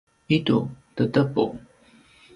idu tedepu